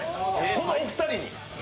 このお二人に。